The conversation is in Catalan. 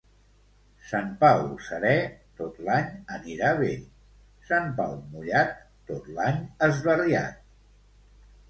Sant Pau serè, tot l'any anirà bé; Sant Pau mullat, tot l'any esbarriat.